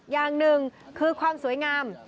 อย่างหนึ่งคือความสวยงาม